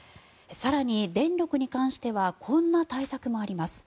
更に、電力に関してはこんな対策もあります。